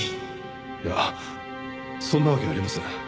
いやそんなわけありません。